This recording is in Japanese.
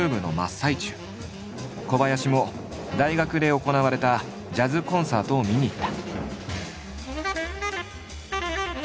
小林も大学で行われたジャズコンサートを見に行った。